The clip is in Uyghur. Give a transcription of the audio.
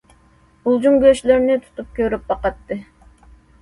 بۇلجۇڭ گۆشلىرىنى تۇتۇپ كۆرۈپ باقاتتى.